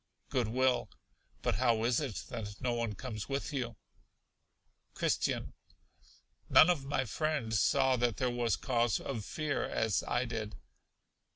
Good will. But how is it that no one comes with you? Christian. None of my friends saw that there was cause of fear, as I did.